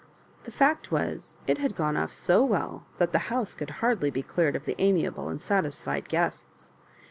'* The fact was, it had gone off so well that the house could hardly be cleared of the amiable and satisfied guests.